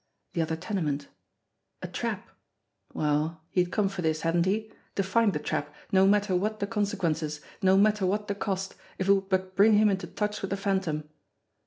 The other tenement ! A trap ! Well, he had come for this, hadn't he ? to find the trap, no matter what the consequences, no matter what the cost, if it would but bring him into touch with the Phantom.